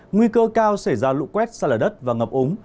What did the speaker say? nguy cơ cao sẽ ra lụ quét xa lở đất và ngập úng